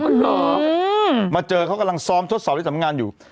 เหรอมาเจอเขากำลังซ้อมทดสอบที่สำงานอยู่